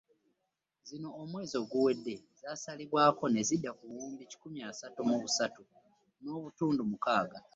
Zino omwezi oguwedde zasalibwako nezidda ku buwumbi kikumi asatu mu busatu n’obutundu mukaaga